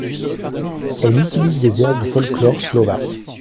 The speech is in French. Elle utilise des airs du folklore slovaque.